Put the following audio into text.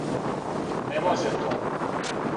Не може то.